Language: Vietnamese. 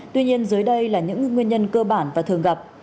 tuy nhiên dưới đây là những nguyên nhân cơ bản và thường gặp